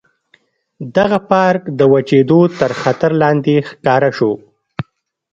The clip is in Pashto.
دغه پارک د وچېدو تر خطر لاندې ښکاره شو.